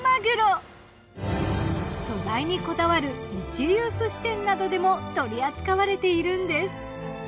素材にこだわる一流寿司店などでも取り扱われているんです。